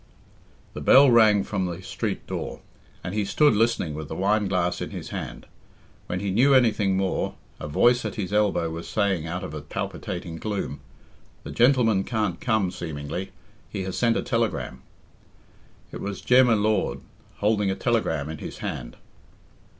The bell rang from the street door, and he stood listening with the wine glass in his hand. When he knew anything more, a voice at his elbow was saying out of a palpitating gloom, "The gentleman can't come, seemingly; he has sent a telegram." It was Jem y Lord holding a telegram in his hand.